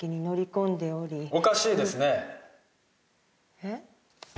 えっ？